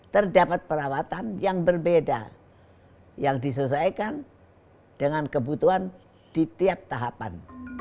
terdapat perawatan yang berbeda yang disesuaikan dengan kebutuhan di tiap tahapan